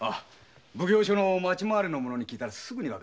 奉行所の町回りの者に聞いたらすぐ。